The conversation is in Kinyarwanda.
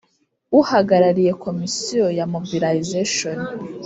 Uhagarariye Komisiyo ya Mobilisation